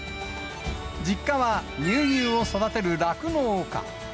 実家は乳牛を育てる酪農家。